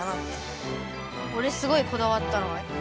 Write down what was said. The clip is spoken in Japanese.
おれすごいこだわったのはね